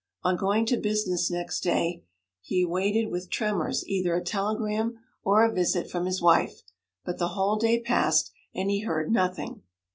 On going to business next day, he awaited with tremors either a telegram or a visit from his wife; but the whole day passed, and he heard nothing.